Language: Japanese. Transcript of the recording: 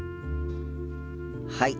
はい。